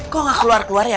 kok nggak keluar ya